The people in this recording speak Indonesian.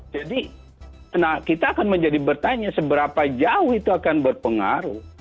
jadi kita akan menjadi bertanya seberapa jauh itu akan berpengaruh